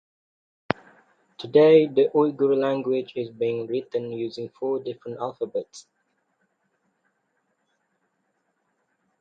Today the Uyghur language is being written using four different alphabets.